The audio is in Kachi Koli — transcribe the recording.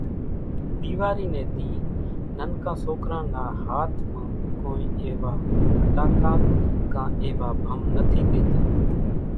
ۮيواري ني ۮي ننڪان سوڪران نا ھاٿ مان ڪونئين ايوا ڦٽاڪا ڪان ايوا ڀم نٿي ۮيتان۔